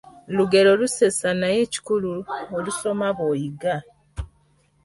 Lugero lusesa naye ekikulu olusoma bw’oyiga.